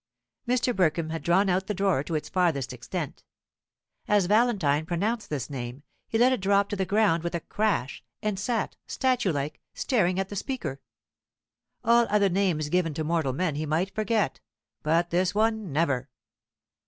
Mr. Burkham had drawn out the drawer to its farthest extent. As Valentine pronounced this name, he let it drop to the ground with a crash, and sat, statue like, staring at the speaker. All other names given to mortal man he might forget; but this one never.